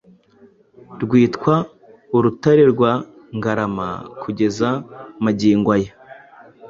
rwitwa Urutare rwa Ngarama kugeza magingo aya.